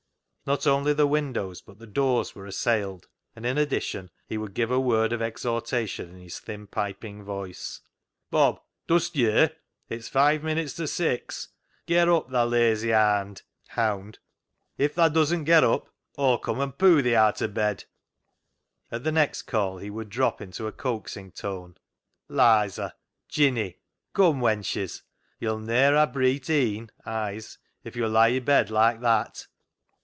Not only the windows but the doors were assailed, and in addition he would give a word of exhortation in his thin piping voice —" Bob ! Dust ye'r ? It's five minutes to six ! Ger up, tha lazy haand (hound). If tha dusn't ger up Aw'll come an poo' thi aat o' bed." At the next call he would drop into a coaxing tone —" Lizer ! Jinny ! Come, wenches ! You'll ne'er ha' breet een (eyes) if yo' lie i' bed like that."